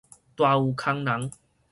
大有空人